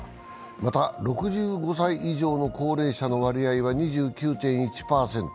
また６５歳以上の高齢者の割合は２９．１％。